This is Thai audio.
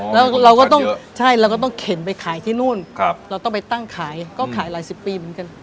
แล้วเราก็ต้องใช่เราก็ต้องเข็นไปขายที่นู่นเราต้องไปตั้งขายก็ขายหลายสิบปีเหมือนกัน